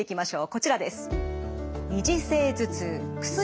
こちらです。